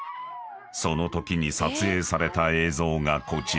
［そのときに撮影された映像がこちら］